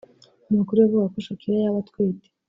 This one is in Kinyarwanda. Amakuru yavugaga ko Shakira yaba atwite